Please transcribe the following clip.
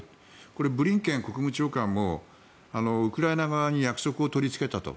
これはブリンケン国務長官もウクライナ側に約束を取りつけたと。